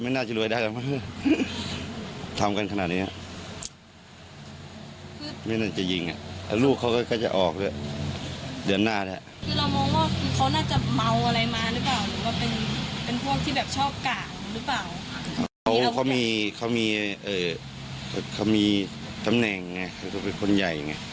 ไม่น่าจะรวยได้อ่ะเข้าเดินหน้าแหละ